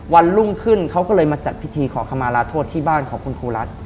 วันรุ่งขึ้นเขาก็เลยมาจัดพิธีขอคำมาลาโทษที่บ้านของคุณครูรัฐ